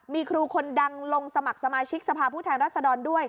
มีครูคนดังลงสมัครสมาชิกสภาพผู้แทนรัศดรด้วย